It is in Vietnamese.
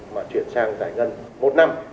mà chuyển sang giải ngân một năm